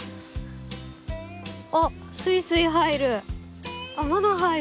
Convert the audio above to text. あスイスイ入る。